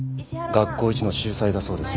学校一の秀才だそうです。